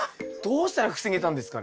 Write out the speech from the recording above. どうしたら防げたんですかね？